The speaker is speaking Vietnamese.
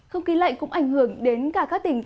không khí lạnh cũng ảnh hưởng đến cả các tỉnh